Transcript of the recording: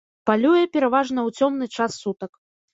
Палюе пераважна ў цёмны час сутак.